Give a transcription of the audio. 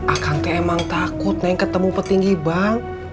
akang kan emang takut neng ketemu petinggi bank